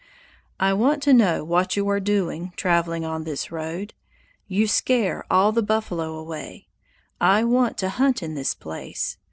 "I want to know what you are doing, traveling on this road. You scare all the buffalo away. I want to hunt in this place.